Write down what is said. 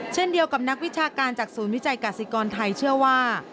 เช่นเดียวกับนักวิชาการจากศูนย์วิจัยกาศิกรไทยเชื่อว่า